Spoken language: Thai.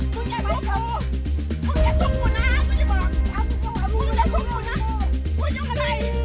มึงคึกลิ้ดเมื่อมึงคึกด้วยนะ